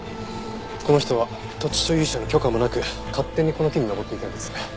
この人は土地所有者の許可もなく勝手にこの木に登っていたようです。